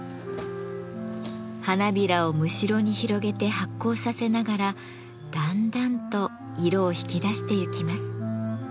花びらをむしろに広げて発酵させながらだんだんと色を引き出してゆきます。